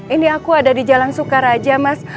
ini aku ada di jalan sukaraja mas